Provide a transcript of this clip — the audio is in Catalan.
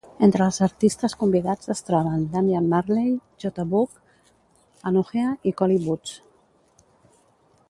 Entre els artistes convidats es troben Damian Marley, J Boog, Anuhea i Collie Buddz.